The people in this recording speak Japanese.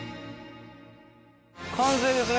完成ですね。